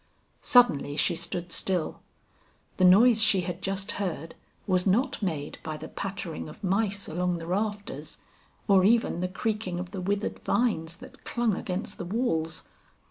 Suddenly she stood still; the noise she had just heard, was not made by the pattering of mice along the rafters, or even the creaking of the withered vines that clung against the walls!